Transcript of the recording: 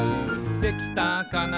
「できたかな